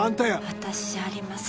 私じゃありません